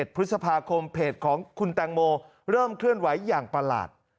พฤษภาคมเพจของคุณแตงโมเริ่มเคลื่อนไหวอย่างประหลาด